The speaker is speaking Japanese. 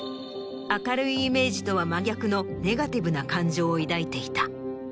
明るいイメージとは真逆のネガティブな感情を抱いていた。